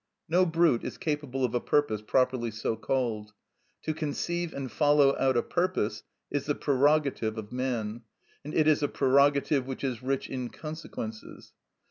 No brute is capable of a purpose properly so called. To conceive and follow out a purpose is the prerogative of man, and it is a prerogative which is rich in consequences.